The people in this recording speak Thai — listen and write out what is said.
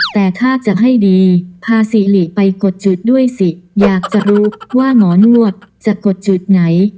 แต่ถ้าจะให้ดีพาสิริไปกดจุดด้วยสิอยากจะรู้ว่าหมอนวดจะกดจุดไหน